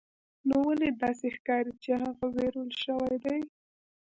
نو ولې داسې ښکاري چې هغه ویرول شوی دی